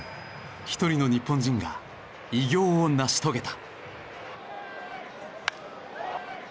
一人の日本人が偉業を成し遂げた。